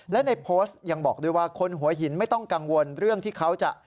และในโพสต์ยังบอกด้วยว่าคนหัวหินไม่ต้องกังวลเรื่องที่เขาจะ